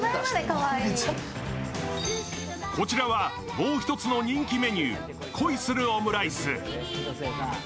こちらは、もうひとつの人気メニュー、恋するオムライス。